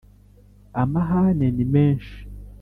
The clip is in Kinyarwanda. Amahane ni menshi